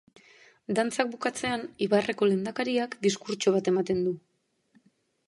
Dantzak bukatzean ibarreko lehendakariak diskurtso bat ematen du.